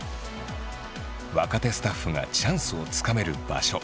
若手スタッフがチャンスをつかめる場所。